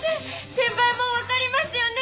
先輩も分かりますよね？